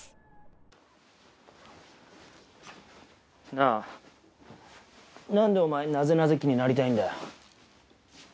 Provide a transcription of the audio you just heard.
なあなんでお前「なぜなぜ期」になりたいんだよ？